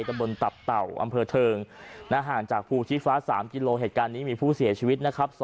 ตะบนตับเต่าอำเภอเทิงห่างจากภูชีฟ้า๓กิโลเหตุการณ์นี้มีผู้เสียชีวิตนะครับ